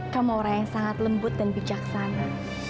kamu orang yang sangat lembut dan bijaksana